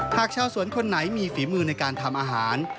หากชาวสวนคนไหนมีฝีมือในการทำอาหาร